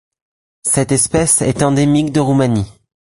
Cette espèce est endémique de Roumanie.